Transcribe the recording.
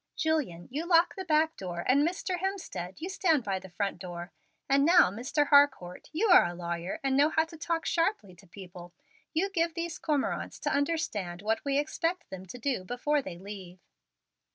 Julian, you lock the back door, and, Mr. Hemstead, you stand by the front door; and now, Mr. Harcourt, you are a lawyer, and know how to talk sharply to people: you give these cormorants to understand what we expect them to do before they leave."